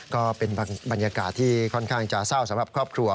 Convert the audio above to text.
ก็เป็นบรรยากาศที่ค่อนข้างจะเศร้าสำหรับครอบครัว